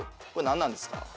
これ何なんですか？